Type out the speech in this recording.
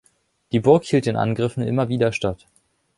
Die Burg hielt den Angriffen immer wieder stand.